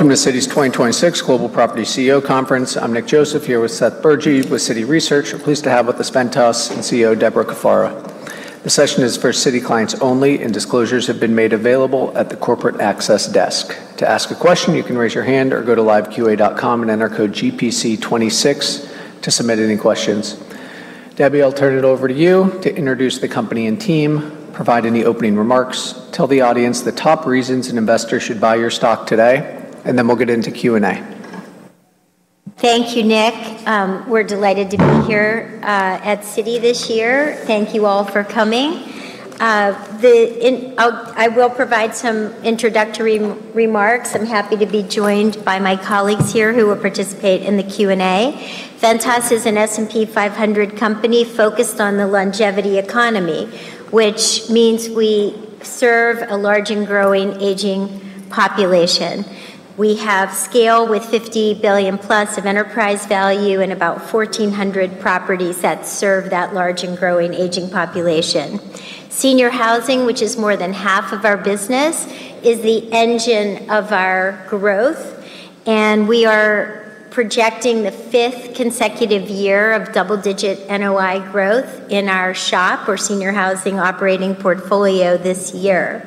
Welcome to Citi's 2026 Global Property CEO Conference. I'm Nick Joseph, here with Seth Bergey with Citi Research. We're pleased to have with us Ventas and CEO Debra Cafaro. This session is for Citi clients only, and disclosures have been made available at the corporate access desk. To ask a question, you can raise your hand or go to liveqa.com and enter code GPC26 to submit any questions. Debbie, I'll turn it over to you to introduce the company and team, provide any opening remarks, tell the audience the top reasons an investor should buy your stock today, and then we'll get into Q&A. Thank you, Nick. We're delighted to be here at Citi this year. Thank you all for coming. I will provide some introductory remarks. I'm happy to be joined by my colleagues here, who will participate in the Q&A. Ventas is an S&P 500 company focused on the longevity economy, which means we serve a large and growing aging population. We have scale with $50 billion-plus of enterprise value and about 1,400 properties that serve that large and growing aging population. Senior housing, which is more than half of our business, is the engine of our growth. We are projecting the fifth consecutive year of double-digit NOI growth in our SHOP, or Senior Housing Operating Portfolio, this year.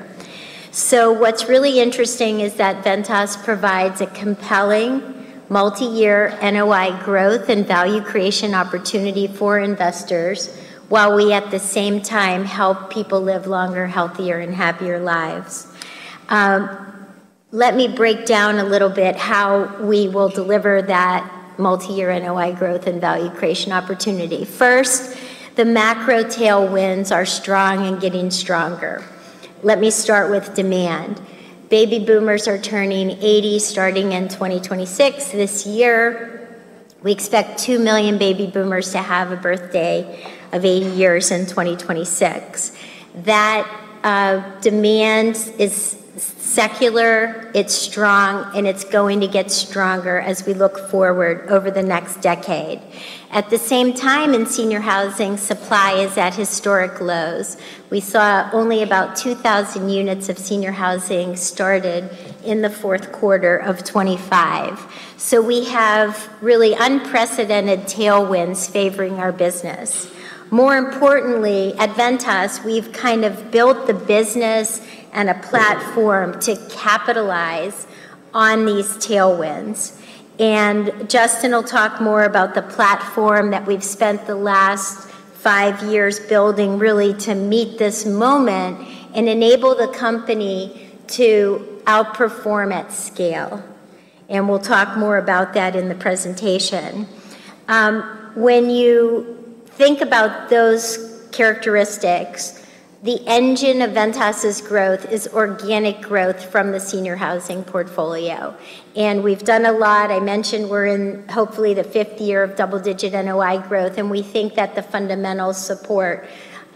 What's really interesting is that Ventas provides a compelling multiyear NOI growth and value creation opportunity for investors while we, at the same time, help people live longer, healthier, and happier lives. Let me break down a little bit how we will deliver that multiyear NOI growth and value creation opportunity. First, the macro tailwinds are strong and getting stronger. Let me start with demand. Baby boomers are turning 80 starting in 2026. This year, we expect two million baby boomers to have a birthday of 80 years in 2026. That demand is secular, it's strong, and it's going to get stronger as we look forward over the next decade. At the same time, in senior housing, supply is at historic lows. We saw only about 2,000 units of senior housing started in the fourth quarter of 2025. We have really unprecedented tailwinds favoring our business. More importantly, at Ventas, we've kind of built the business and a platform to capitalize on these tailwinds. Justin will talk more about the platform that we've spent the last five years building really to meet this moment and enable the company to outperform at scale. We'll talk more about that in the presentation. When you think about those characteristics, the engine of Ventas' growth is organic growth from the senior housing portfolio. We've done a lot. I mentioned we're in, hopefully, the fifth year of double-digit NOI growth, and we think that the fundamentals support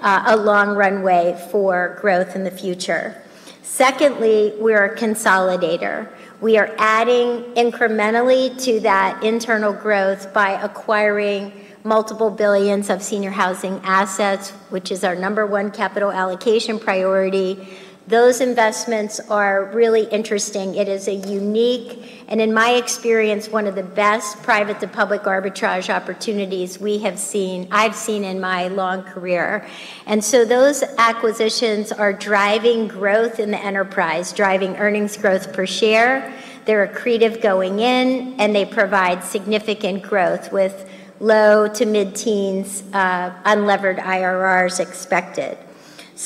a long runway for growth in the future. Secondly, we're a consolidator. We are adding incrementally to that internal growth by acquiring multiple billions of senior housing assets, which is our number one capital allocation priority. Those investments are really interesting. It is a unique, and in my experience, one of the best private-to-public arbitrage opportunities I've seen in my long career. Those acquisitions are driving growth in the enterprise, driving earnings growth per share. They're accretive going in, and they provide significant growth with low to mid-teens unlevered IRRs expected.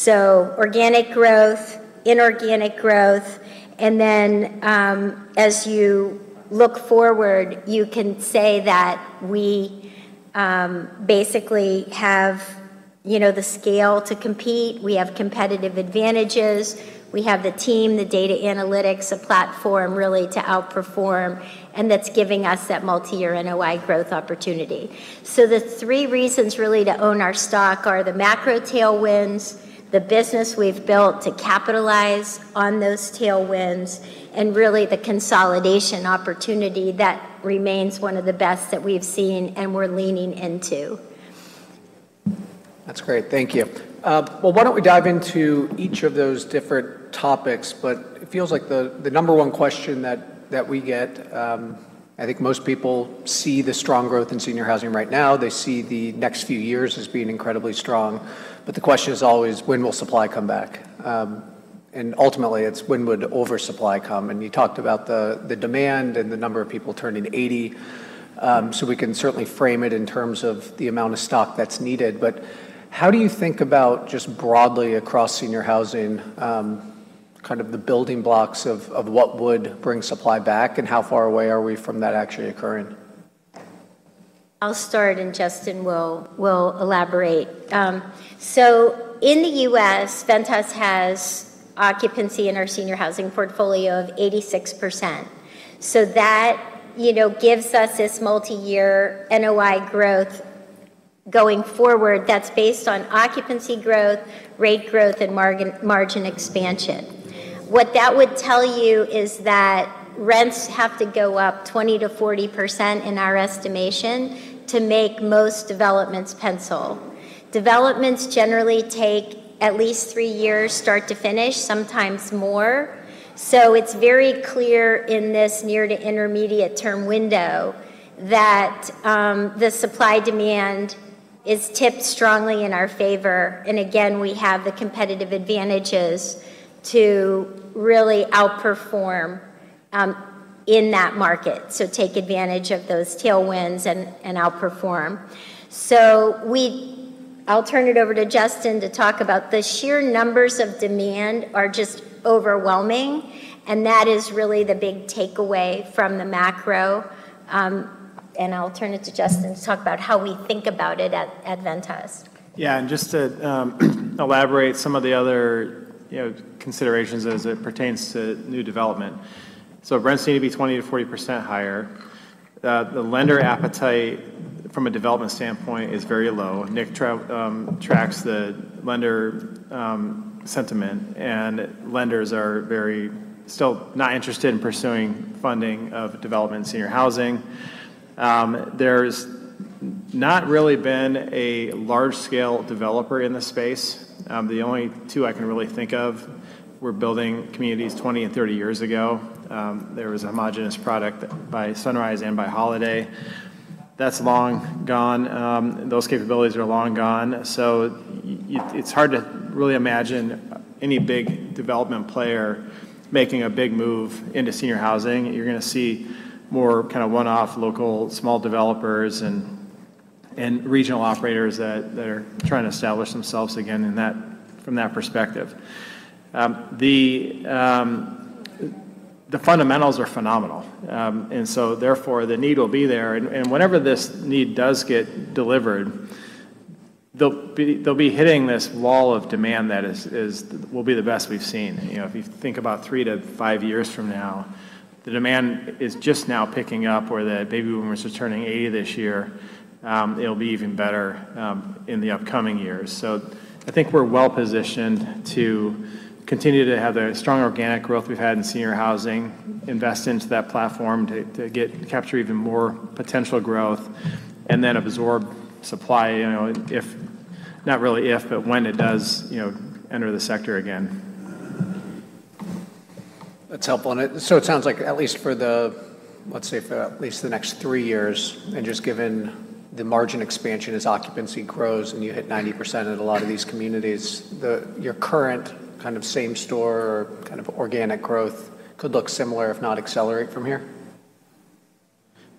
Organic growth, inorganic growth, and then, as you look forward, you can say that we basically have, you know, the scale to compete. We have competitive advantages. We have the team, the data analytics, a platform really to outperform. That's giving us that multiyear NOI growth opportunity. The three reasons really to own our stock are the macro tailwinds, the business we've built to capitalize on those tailwinds, and really the consolidation opportunity that remains one of the best that we've seen and we're leaning into. That's great. Thank you. Well, why don't we dive into each of those different topics? It feels like the number one question that we get, I think most people see the strong growth in senior housing right now. They see the next few years as being incredibly strong. The question is always: When will supply come back? Ultimately, it's when would oversupply come? You talked about the demand and the number of people turning 80. So we can certainly frame it in terms of the amount of stock that's needed. How do you think about, just broadly across senior housing, kind of the building blocks of what would bring supply back, and how far away are we from that actually occurring? I'll start, and Justin will elaborate. In the U.S., Ventas has occupancy in our senior housing portfolio of 86%. That, you know, gives us this multiyear NOI growth going forward, that's based on occupancy growth, rate growth, and margin expansion. What that would tell you is that rents have to go up 20%-40% in our estimation to make most developments pencil. Developments generally take at least three years start to finish, sometimes more. It's very clear in this near to intermediate term window that the supply-demand is tipped strongly in our favor. Again, we have the competitive advantages to really outperform in that market. Take advantage of those tailwinds and outperform. I'll turn it over to Justin to talk about the sheer numbers of demand are just overwhelming, and that is really the big takeaway from the macro. I'll turn it to Justin to talk about how we think about it at Ventas. Yeah. Just to elaborate some of the other, you know, considerations as it pertains to new development. Rents need to be 20%-40% higher. The lender appetite from a development standpoint is very low. Nick tracks the lender sentiment, lenders are very still not interested in pursuing funding of development senior housing. There's not really been a large scale developer in this space. The only two I can really think of were building communities 20 and 30 years ago. There was a homogenous product by Sunrise and by Holiday. That's long gone. Those capabilities are long gone. It's hard to really imagine any big development player making a big move into senior housing. You're gonna see more kind of one-off local small developers and regional operators that are trying to establish themselves again in that from that perspective. The fundamentals are phenomenal. Therefore, the need will be there. Whenever this need does get delivered, they'll be hitting this wall of demand that will be the best we've seen. You know, if you think about three to five years from now, the demand is just now picking up where the baby boomers are turning 80 this year. It'll be even better in the upcoming years.I think we're well-positioned to continue to have the strong organic growth we've had in senior housing, invest into that platform to capture even more potential growth, and then absorb supply, you know, not really if, but when it does, you know, enter the sector again. That's helpful. It sounds like at least for the, let's say, for at least the next three years, and just given the margin expansion as occupancy grows, and you hit 90% at a lot of these communities, your current kind of same store kind of organic growth could look similar, if not accelerate from here.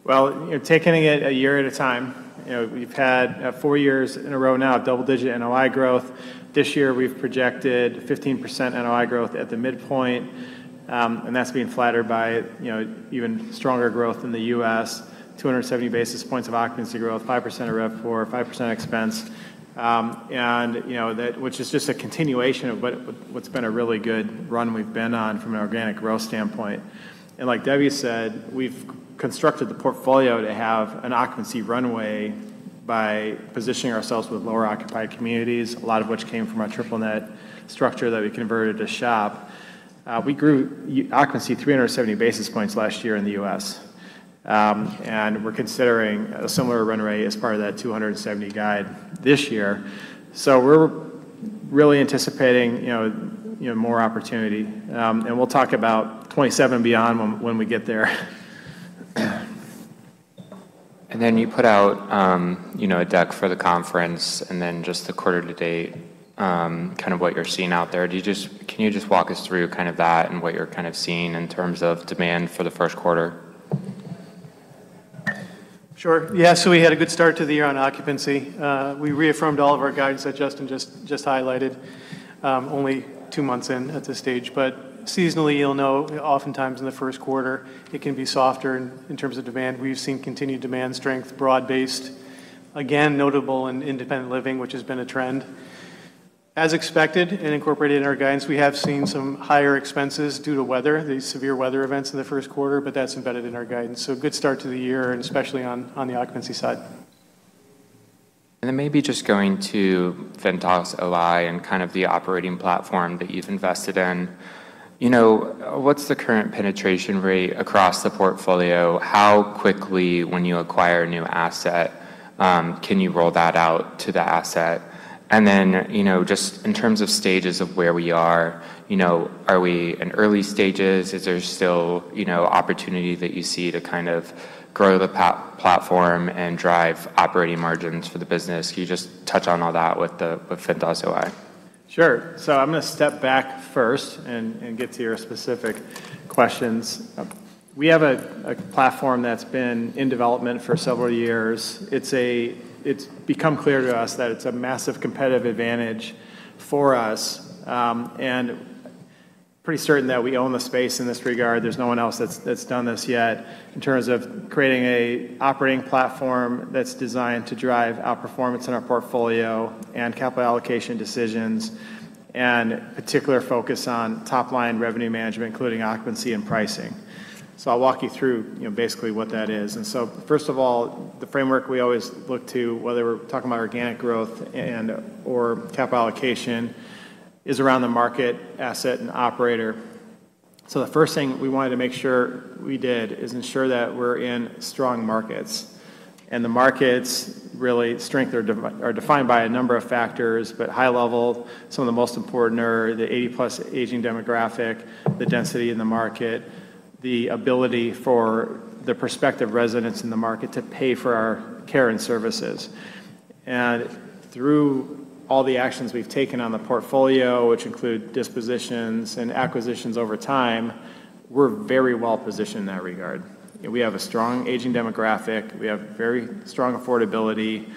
Well, you're taking it a year at a time. You know, we've had four years in a row now, double-digit NOI growth. This year, we've projected 15% NOI growth at the midpoint, and that's being flattered by, you know, even stronger growth in the U.S., 270 basis points of occupancy growth, 5% of RevPAR, 5% expense. Which is just a continuation of what's been a really good run we've been on from an organic growth standpoint. Like Debbie said, we've constructed the portfolio to have an occupancy runway by positioning ourselves with lower occupied communities, a lot of which came from our triple net structure that we converted to SHOP. We grew occupancy 370 basis points last year in the U.S. We're considering a similar run rate as part of that 270 guide this year. We're really anticipating, you know, more opportunity. We'll talk about 2027 beyond when we get there. You put out, you know, a deck for the conference, and then just the quarter to date, kind of what you're seeing out there. Can you just walk us through kind of that and what you're kind of seeing in terms of demand for the first quarter? Sure. Yeah. We had a good start to the year on occupancy. We reaffirmed all of our guidance that Justin just highlighted, only two months in at this stage. Seasonally, you'll know oftentimes in the first quarter, it can be softer in terms of demand. We've seen continued demand strength, broad-based. Again, notable in independent living, which has been a trend. As expected and incorporated in our guidance, we have seen some higher expenses due to weather, the severe weather events in the first quarter, but that's embedded in our guidance. A good start to the year, and especially on the occupancy side. Maybe just going to Ventas OI and kind of the operating platform that you've invested in. You know, what's the current penetration rate across the portfolio? How quickly when you acquire a new asset, can you roll that out to the asset? You know, just in terms of stages of where we are, you know, are we in early stages? Is there still, you know, opportunity that you see to kind of grow the platform and drive operating margins for the business? Can you just touch on all that with the, with Ventas OI? Sure. I'm gonna step back first and get to your specific questions. We have a platform that's been in development for several years. It's become clear to us that it's a massive competitive advantage for us, and pretty certain that we own the space in this regard. There's no one else that's done this yet in terms of creating a operating platform that's designed to drive outperformance in our portfolio and capital allocation decisions. Particular focus on top-line revenue management, including occupancy and pricing. I'll walk you through, you know, basically what that is. First of all, the framework we always look to, whether we're talking about organic growth and-or capital allocation, is around the market asset and operator. The first thing we wanted to make sure we did is ensure that we're in strong markets. The markets really are defined by a number of factors, but high level, some of the most important are the 80+ aging demographic, the density in the market, the ability for the prospective residents in the market to pay for our care and services. Through all the actions we've taken on the portfolio, which include dispositions and acquisitions over time, we're very well-positioned in that regard. We have a strong aging demographic. We have very strong affordability,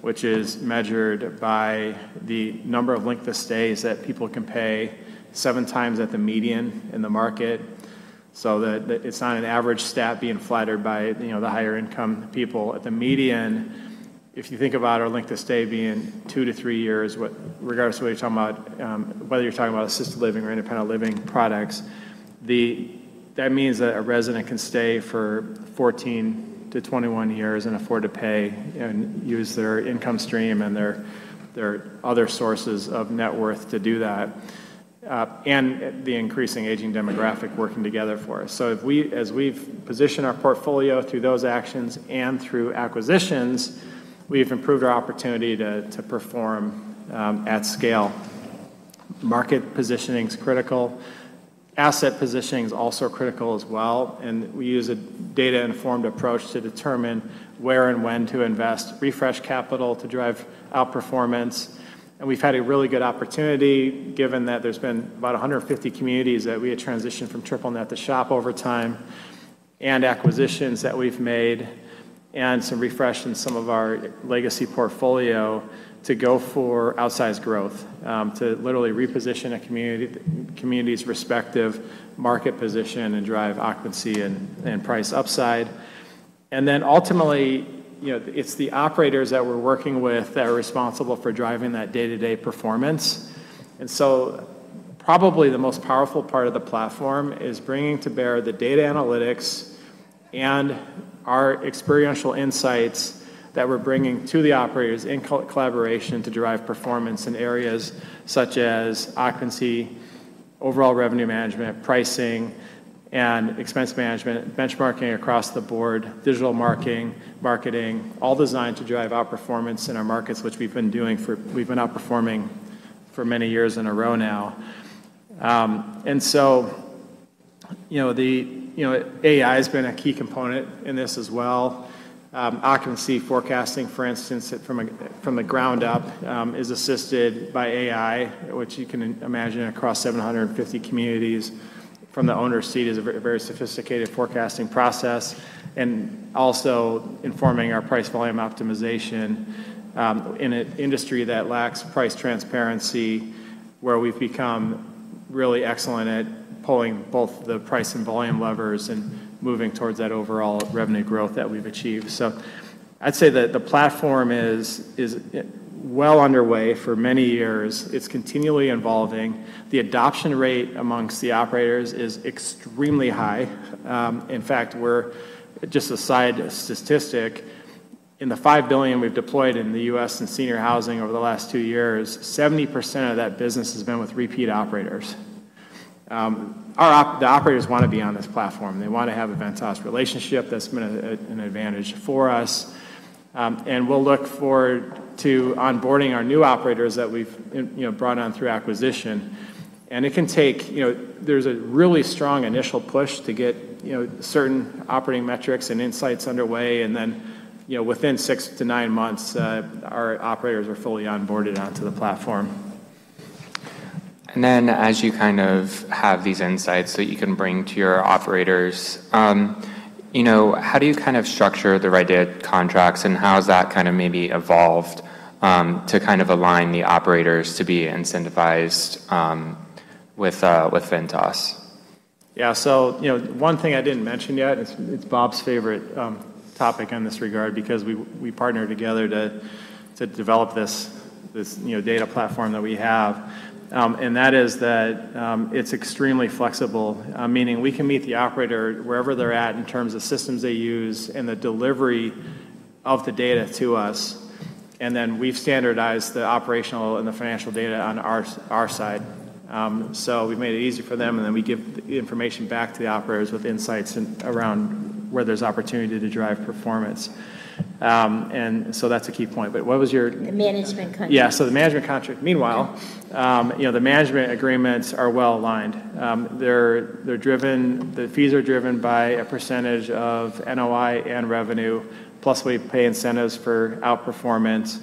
which is measured by the number of length of stays that people can pay seven times at the median in the market. It's not an average stat being flattered by, you know, the higher income people. At the median, if you think about our length of stay being two to three years, regardless of what you're talking about, whether you're talking about assisted living or independent living products, that means that a resident can stay for 14 to 21 years and afford to pay and use their income stream and their other sources of net worth to do that, the increasing aging demographic working together for us. If we, as we've positioned our portfolio through those actions and through acquisitions, we've improved our opportunity to perform at scale. Market positioning is critical. Asset positioning is also critical as well. We use a data-informed approach to determine where and when to invest refresh capital to drive outperformance. We've had a really good opportunity given that there's been about 150 communities that we had transitioned from triple net to SHOP over time, and acquisitions that we've made, and some refresh in some of our legacy portfolio to go for outsized growth, to literally reposition a community's respective market position and drive occupancy and price upside. Ultimately, you know, it's the operators that we're working with that are responsible for driving that day-to-day performance. Probably the most powerful part of the platform is bringing to bear the data analytics and our experiential insights that we're bringing to the operators in collaboration to drive performance in areas such as occupancy, overall revenue management, pricing, and expense management, benchmarking across the board, digital marketing, all designed to drive outperformance in our markets, which we've been doing for. We've been outperforming for many years in a row now. You know, the, you know, AI has been a key component in this as well. Occupancy forecasting, for instance, from the ground up, is assisted by AI, which you can imagine across 750 communities from the owner's seat is a very, very sophisticated forecasting process, and also informing our price-volume optimization, in an industry that lacks price transparency, where we've become really excellent at pulling both the price and volume levers and moving towards that overall revenue growth that we've achieved. I'd say that the platform is well underway for many years. It's continually evolving. The adoption rate amongst the operators is extremely high. In fact, we're, just a side statistic, in the $5 billion we've deployed in the U.S. in senior housing over the last two years, 70% of that business has been with repeat operators. The operators wanna be on this platform. They wanna have a Ventas relationship that's been an advantage for us. We'll look forward to onboarding our new operators that we've, you know, brought on through acquisition. It can take, you know, there's a really strong initial push to get, you know, certain operating metrics and insights underway. Then, you know, within six to nine months, our operators are fully onboarded onto the platform. As you kind of have these insights that you can bring to your operators, you know, how do you kind of structure the right data contracts and how has that kind of maybe evolved, to kind of align the operators to be incentivized, with Ventas? You know, one thing I didn't mention yet, it's Bob's favorite topic in this regard because we partnered together to develop this, you know, data platform that we have. That is that it's extremely flexible, meaning we can meet the operator wherever they're at in terms of systems they use and the delivery of the data to us, and then we've standardized the operational and the financial data on our side. We've made it easy for them, and then we give the information back to the operators with insights around where there's opportunity to drive performance. That's a key point. The management contract. The management contract. Meanwhile, you know, the management agreements are well aligned. They're driven... The fees are driven by a percentage of NOI and revenue, plus we pay incentives for outperformance.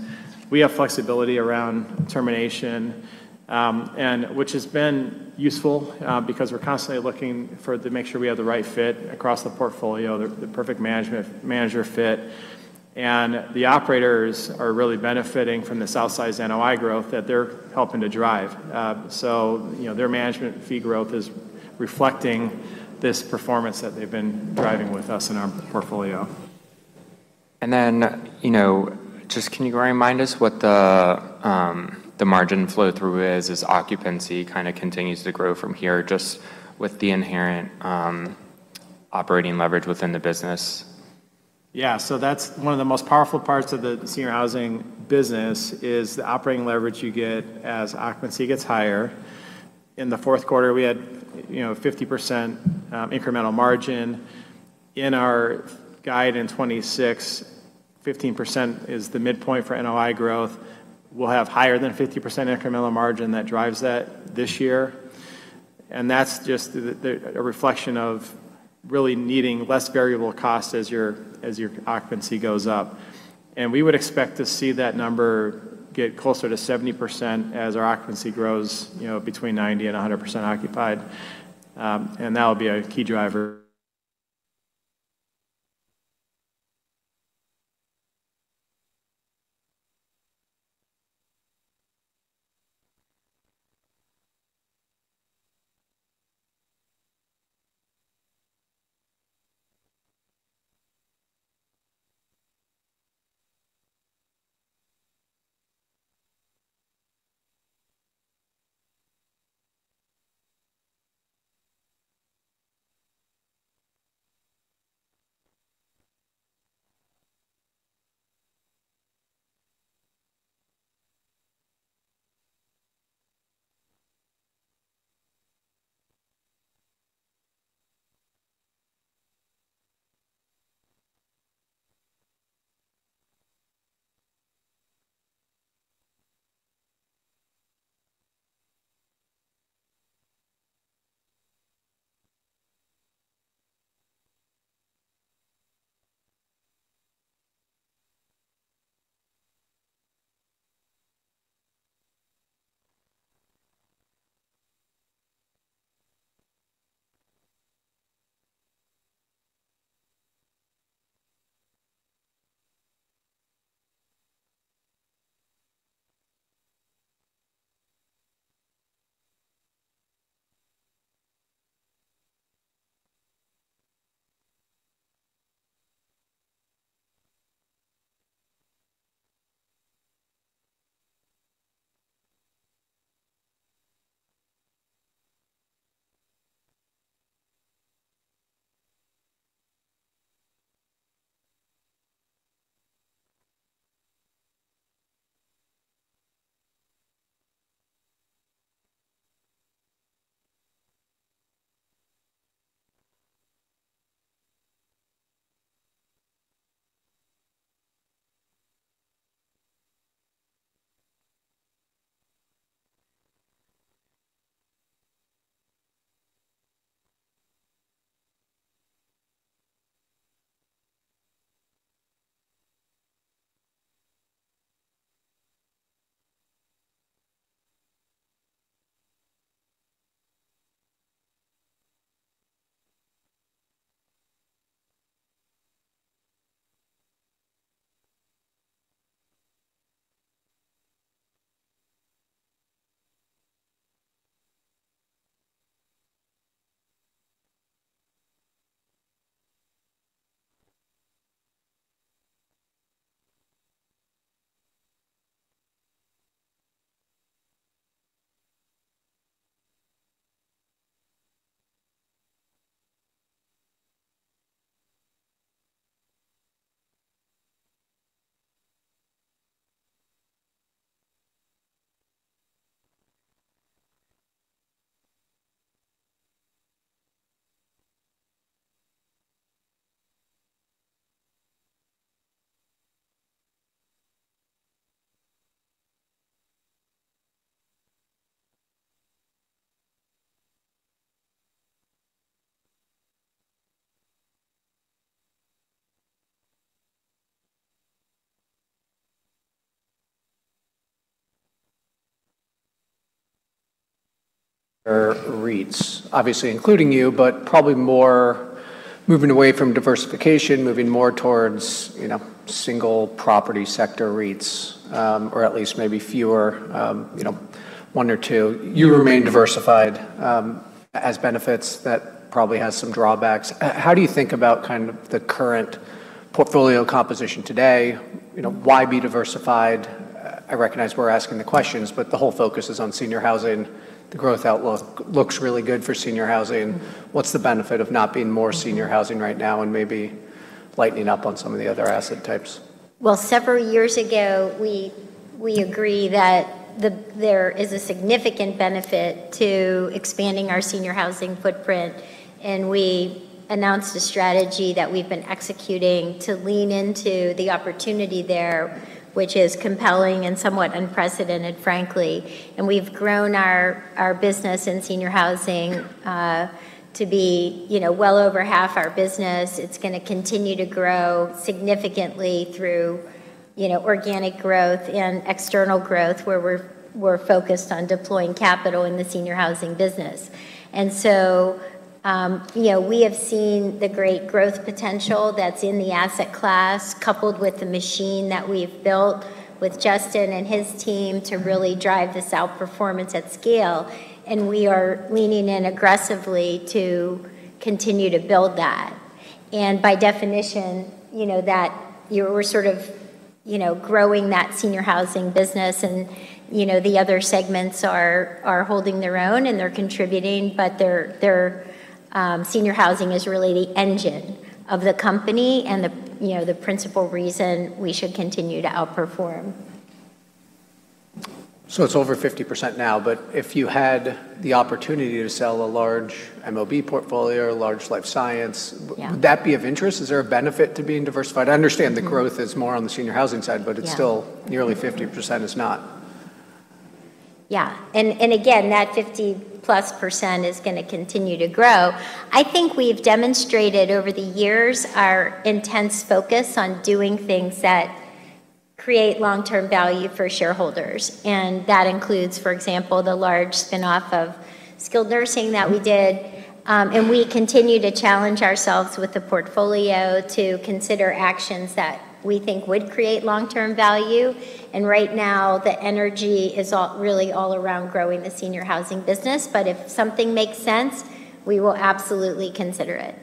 We have flexibility around termination, and which has been useful because we're constantly looking for, to make sure we have the right fit across the portfolio, the perfect manager fit. The operators are really benefiting from this outsized NOI growth that they're helping to drive. You know, their management fee growth is reflecting this performance that they've been driving with us in our portfolio. You know, just can you remind us what the margin flow-through is as occupancy kind of continues to grow from here just with the inherent operating leverage within the business? That's one of the most powerful parts of the senior housing business is the operating leverage you get as occupancy gets higher. In the fourth quarter, we had, you know, 50% incremental margin. In our guide in 2026, 15% is the midpoint for NOI growth. We'll have higher than 50% incremental margin that drives that this year. That's just a reflection of really needing less variable costs as your, as your occupancy goes up. We would expect to see that number get closer to 70% as our occupancy grows, you know, between 90% and 100% occupied. And that will be a key driver. REITs, obviously including you, but probably more moving away from diversification, moving more towards, you know, single property sector REITs, or at least maybe fewer, you know, one or two. You remain diversified, as benefits. That probably has some drawbacks. How do you think about kind of the current portfolio composition today? You know, why be diversified? I recognize we're asking the questions, but the whole focus is on senior housing. The growth outlook looks really good for senior housing. What's the benefit of not being more senior housing right now and maybe lightening up on some of the other asset types? Well, several years ago, we agree that there is a significant benefit to expanding our senior housing footprint, and we announced a strategy that we've been executing to lean into the opportunity there, which is compelling and somewhat unprecedented, frankly. We've grown our business in senior housing to be, you know, well over half our business. It's gonna continue to grow significantly through you know, organic growth and external growth where we're focused on deploying capital in the senior housing business. You know, we have seen the great growth potential that's in the asset class, coupled with the machine that we've built with Justin and his team to really drive this outperformance at scale, and we are leaning in aggressively to continue to build that. You know, that you're sort of, you know, growing that senior housing business and, you know, the other segments are holding their own and they're contributing, but their senior housing is really the engine of the company and the, you know, the principal reason we should continue to outperform. It's over 50% now, but if you had the opportunity to sell a large MOB portfolio, a large life science- Yeah. Would that be of interest? Is there a benefit to being diversified? I understand the growth is more on the senior housing side- Yeah. It's still nearly 50% is not. Yeah. Again, that 50%+ is gonna continue to grow. I think we've demonstrated over the years our intense focus on doing things that create long-term value for shareholders, and that includes, for example, the large spin-off of skilled nursing that we did. We continue to challenge ourselves with the portfolio to consider actions that we think would create long-term value. Right now, the energy is really all around growing the senior housing business. If something makes sense, we will absolutely consider it.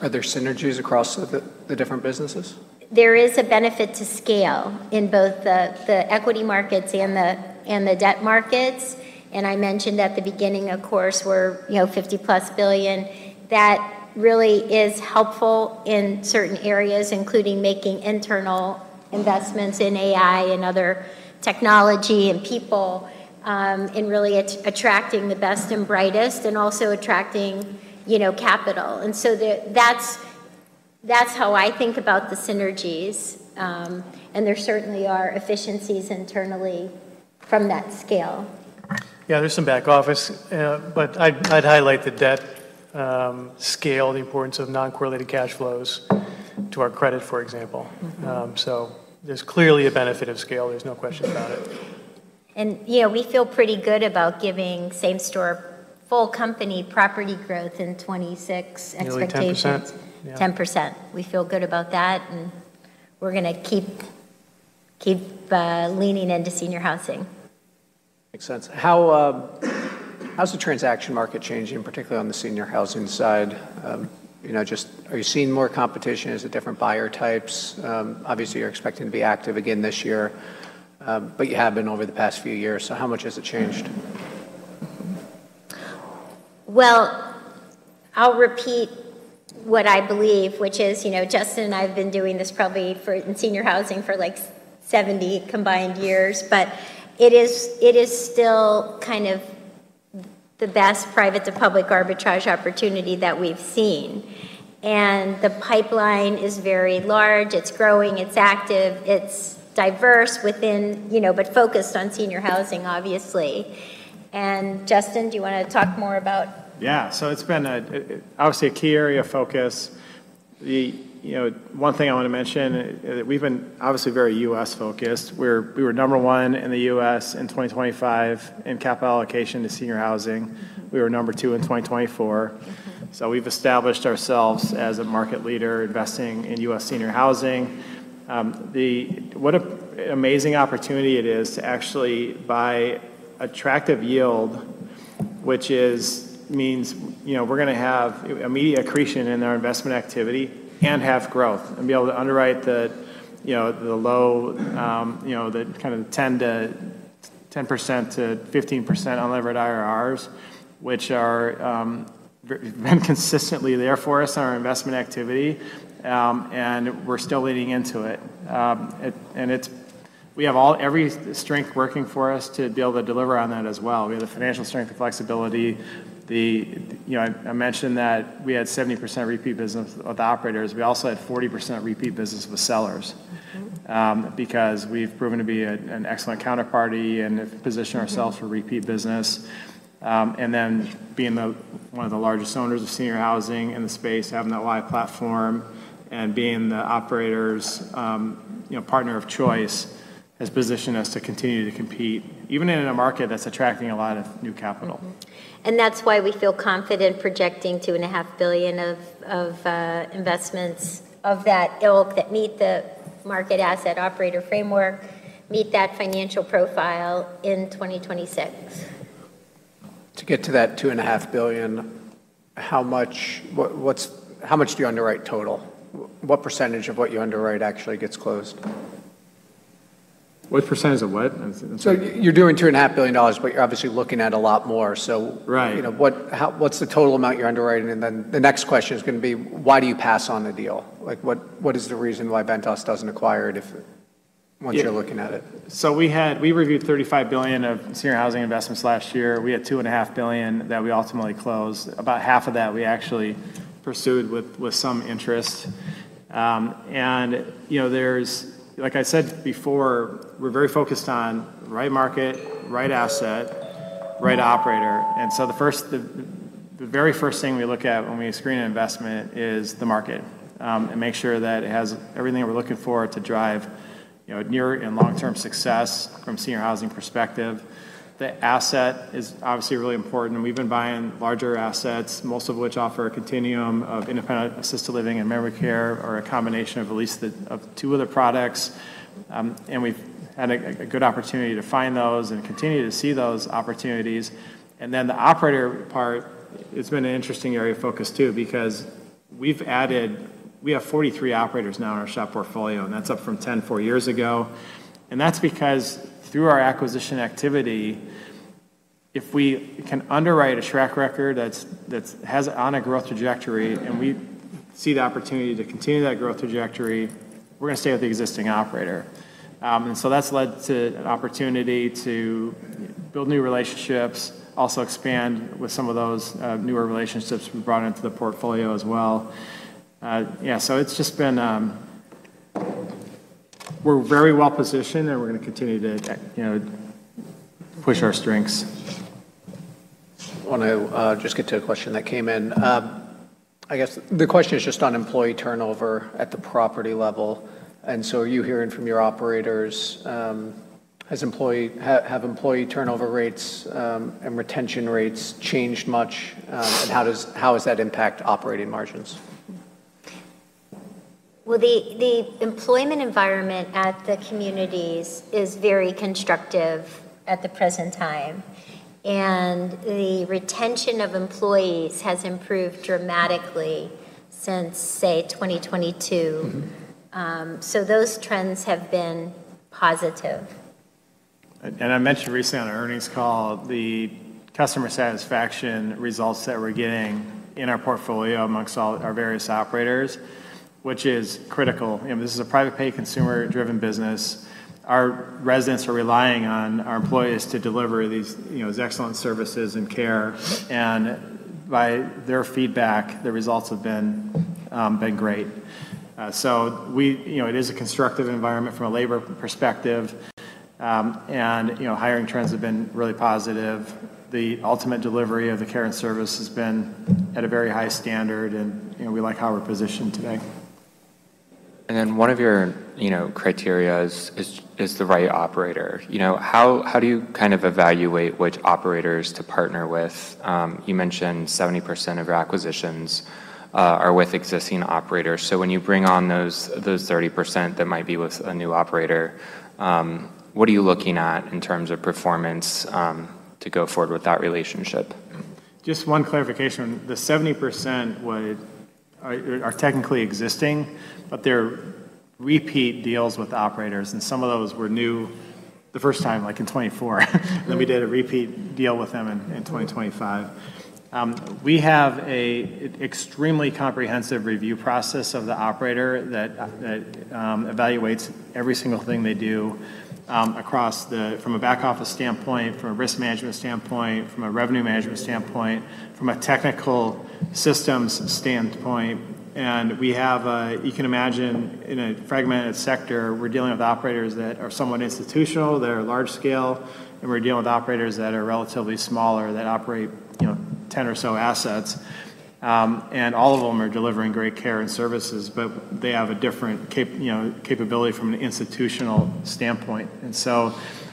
Are there synergies across the different businesses? There is a benefit to scale in both the equity markets and the, and the debt markets. I mentioned at the beginning, of course, we're, you know, $50+ billion. That really is helpful in certain areas, including making internal investments in AI and other technology and people, in really attracting the best and brightest and also attracting, you know, capital. That's, that's how I think about the synergies. There certainly are efficiencies internally from that scale. Yeah, there's some back office. I'd highlight the debt, scale, the importance of non-correlated cash flows to our credit, for example. Mm-hmm. There's clearly a benefit of scale. There's no question about it. You know, we feel pretty good about giving same-store full company property growth in 2026 expectations. Nearly 10%? Yeah. 10%. We feel good about that, we're gonna keep leaning into senior housing. Makes sense. How, how's the transaction market changing, particularly on the senior housing side? You know, just are you seeing more competition? Is it different buyer types? Obviously, you're expecting to be active again this year, but you have been over the past few years, so how much has it changed? Well, I'll repeat what I believe, which is, you know, Justin and I have been doing this probably in senior housing for, like, 70 combined years. It is still kind of the best private-to-public arbitrage opportunity that we've seen. The pipeline is very large. It's growing. It's active. It's diverse within, you know, but focused on senior housing, obviously. Justin, do you wanna talk more? Yeah. It's been obviously a key area of focus. You know, one thing I wanna mention, we've been obviously very U.S.-focused. We were number one in the U.S. in 2025 in capital allocation to senior housing. We were number two in 2024. Mm-hmm. We've established ourselves as a market leader investing in U.S. senior housing. What an amazing opportunity it is to actually buy attractive yield, which is means, you know, we're gonna have immediate accretion in our investment activity and have growth and be able to underwrite the, you know, the low, you know, the kind of 10%-15% unlevered IRRs, which are been consistently there for us in our investment activity. We're still leaning into it. It's We have every strength working for us to be able to deliver on that as well. We have the financial strength and flexibility. The, you know, I mentioned that we had 70% repeat business with operators. We also had 40% repeat business with sellers. Mm-hmm. Because we've proven to be an excellent counterparty and have positioned ourselves for repeat business. Being one of the largest owners of senior housing in the space, having that live platform, and being the operators', you know, partner of choice has positioned us to continue to compete, even in a market that's attracting a lot of new capital. Mm-hmm. That's why we feel confident projecting $2.5 billion of investments of that ilk that meet the market asset operator framework, meet that financial profile in 2026. To get to that $2.5 billion, how much do you underwrite total? What percentage of what you underwrite actually gets closed? What percentage of what? I'm. You're doing $2.5 billion, but you're obviously looking at a lot more. Right. You know, what's the total amount you're underwriting? Then the next question is gonna be, why do you pass on the deal? Like, what is the reason why Ventas doesn't acquire it once you're looking at it? We reviewed $35 billion of senior housing investments last year. We had $2.5 billion that we ultimately closed. About half of that we actually pursued with some interest. You know, like I said before, we're very focused on right market, right asset, right operator. The very first thing we look at when we screen an investment is the market and make sure that it has everything that we're looking for to drive, you know, near and long-term success from senior housing perspective. The asset is obviously really important, and we've been buying larger assets, most of which offer a continuum of independent assisted living and memory care or a combination of at least two of the products. We've had a good opportunity to find those and continue to see those opportunities. The operator part, it's been an interesting area of focus too, because we've added. We have 43 operators now in our SHOP portfolio, and that's up from 10 four years ago. That's because through our acquisition activity, if we can underwrite a track record that's, has it on a growth trajectory, and we see the opportunity to continue that growth trajectory, we're gonna stay with the existing operator. That's led to an opportunity to build new relationships, also expand with some of those, newer relationships we've brought into the portfolio as well. Yeah, it's just been. We're very well-positioned, and we're gonna continue to, you know, push our strengths. I wanna just get to a question that came in. I guess the question is just on employee turnover at the property level. Are you hearing from your operators, have employee turnover rates, and retention rates changed much? And how has that impacted operating margins? Well, the employment environment at the communities is very constructive at the present time, and the retention of employees has improved dramatically since, say, 2022. Mm-hmm. Those trends have been positive. I mentioned recently on our earnings call the customer satisfaction results that we're getting in our portfolio amongst all our various operators, which is critical. You know, this is a private pay, consumer-driven business. Our residents are relying on our employees to deliver these, you know, these excellent services and care. By their feedback, the results have been great. You know, it is a constructive environment from a labor perspective. Hiring trends have been really positive. The ultimate delivery of the care and service has been at a very high standard, and, you know, we like how we're positioned today. One of your, you know, criteria is the right operator. You know, how do you kind of evaluate which operators to partner with? You mentioned 70% of your acquisitions are with existing operators. When you bring on those 30% that might be with a new operator, what are you looking at in terms of performance to go forward with that relationship? Just one clarification. The 70% are technically existing, but they're repeat deals with operators, and some of those were new the first time, like in 2024. Mm-hmm. We did a repeat deal with them in 2025. We have a extremely comprehensive review process of the operator that evaluates every single thing they do, from a back office standpoint, from a risk management standpoint, from a revenue management standpoint, from a technical systems standpoint. You can imagine in a fragmented sector, we're dealing with operators that are somewhat institutional, they're large scale, and we're dealing with operators that are relatively smaller, that operate, you know, 10 or so assets. All of them are delivering great care and services, but they have a different you know, capability from an institutional standpoint.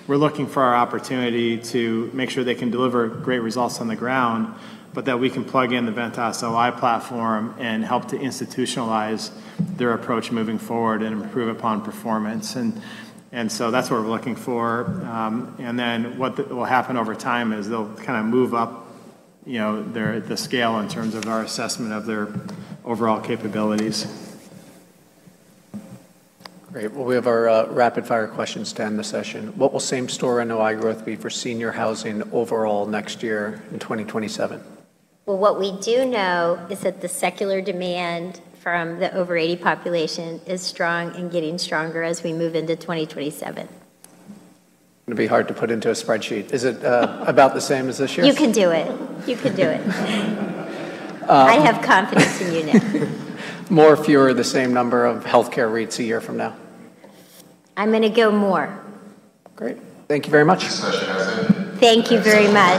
We're looking for our opportunity to make sure they can deliver great results on the ground, but that we can plug in the Ventas OI platform and help to institutionalize their approach moving forward and improve upon performance. That's what we're looking for. What will happen over time is they'll kind of move up, you know, the scale in terms of our assessment of their overall capabilities. Great. Well, we have our rapid fire questions to end the session. What will same store and NOI growth be for senior housing overall next year in 2027? Well, what we do know is that the secular demand from the over 80 population is strong and getting stronger as we move into 2027. It'd be hard to put into a spreadsheet. Is it about the same as this year? You can do it. You can do it. I have confidence in you, Nick. More, fewer, the same number of healthcare REITs a year from now? I'm gonna go more. Great. Thank you very much. Thank you so much. Thank you very much.